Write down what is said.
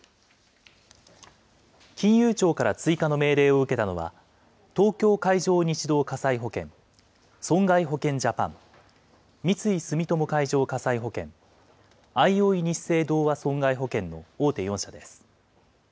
金融庁から追加の命令を受けたのは、東京海上日動火災保険、損害保険ジャパン、三井住友海上火災保険、あいおいニッセイ同和損害保険の大手４社です。